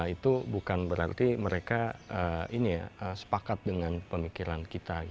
itu bukan berarti mereka sepakat dengan pemikiran kita